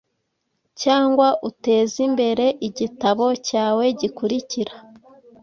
cyangwa utezimbere igitabo cyawe gikurikira